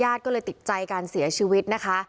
ก็เลยติดใจการเสียชีวิตนะคะ